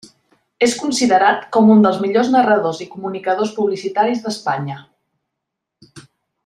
És considerat com un dels millors narradors i comunicadors publicitaris d'Espanya.